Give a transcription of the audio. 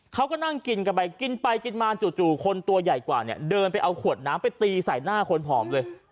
เขาก็นั่งกินกันไปกินไปกินมาจู่คนตัวใหญ่กว่าเนี่ยเดินไปเอาขวดน้ำไปตีใส่หน้าคนผอมเลย